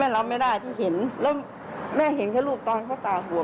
แม่รับไม่ได้เห็นแม่เห็นแค่ลูกตอนปลอดภัยผัว